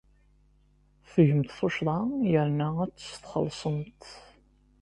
Tgamt tuccḍa yerna ad tt-txellṣemt.